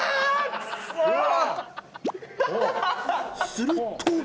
［すると］